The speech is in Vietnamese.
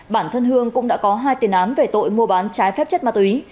bản thân hương cũng đã có hai tiền án về tội mua bán trái phép chất ma túy